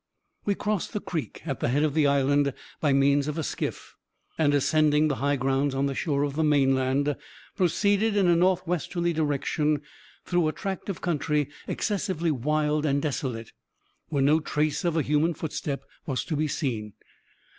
We crossed the creek at the head of the island by means of a skiff, and, ascending the high grounds on the shore of the main land, proceeded in a northwesterly direction, through a tract of country excessively wild and desolate, where no trace of a human footstep was to be seen.